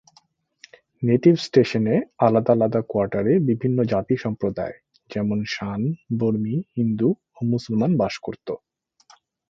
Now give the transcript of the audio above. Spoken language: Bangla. নেটিভ স্টেশনে আলাদা আলাদা কোয়ার্টারে বিভিন্ন জাতি-সম্প্রদায়, যেমন: শান, বর্মী, হিন্দু ও মুসলমান বাস করতো।